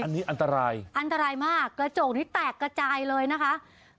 อันนี้อันตรายอันตรายมากกระจกนี้แตกกระจายเลยนะคะ